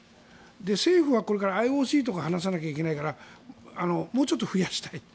政府はこれからＩＯＣとかと話さないといけないからもうちょっと増やしたい。